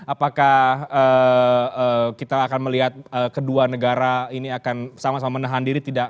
apakah kita akan melihat kedua negara ini akan sama sama menahan diri tidak